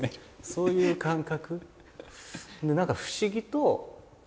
そういう感覚。